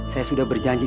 saya sudah berjanji